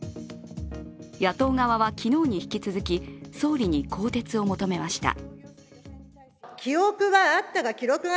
野党側は昨日に引き続き、総理に更迭を求めました。